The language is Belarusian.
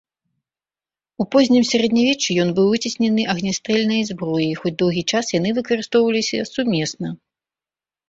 У познім сярэднявеччы ён быў выцеснены агнястрэльнай зброяй, хоць доўгі час яны выкарыстоўваліся сумесна.